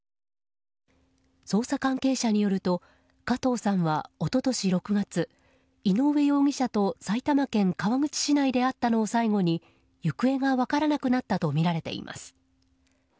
捜査関係者によると加藤さんは一昨年６月井上容疑者と埼玉県川口市内で会ったのを最後に行方が分からなくなったとみられています。